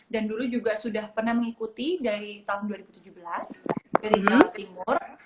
dan dulu juga sudah pernah mengikuti dari tahun dua ribu tujuh belas dari jawa timur